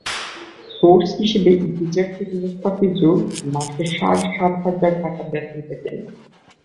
Source হিসেবে EPZ থেকে মোস্তাফিজুর মাসে সাড়ে সাত হাজার টাকা বেতন পেতেন।